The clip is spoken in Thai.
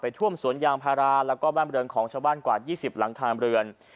ไปท่วมสวนยางพาราแล้วก็บ้านเบลืองของชาวบ้านกว่า๒๐หลังทางเบลือง